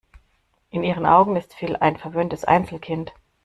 In ihren Augen ist Phil ein verwöhntes Einzelkind.